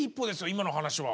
今の話は。